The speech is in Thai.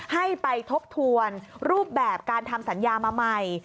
ให้ไปทบทวนรูปแบบการทำสัญญามาใหม่